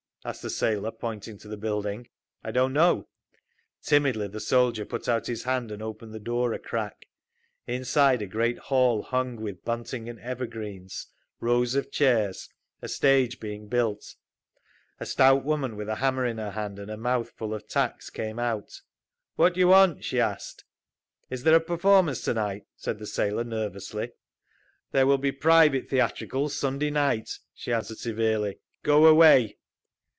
asked the sailor, pointing to the building. "I don't know." Timidly the soldier put out his hand and opened the door a crack. Inside a great hall hung with bunting and evergreens, rows of chairs, a stage being built. A stout woman with a hammer in her hand and her mouth full of tacks came out. "What do you want?" she asked. "Is there a performance to night?" said the sailor, nervously. "There will be private theatricals Sunday night," she answered severely. "Go away."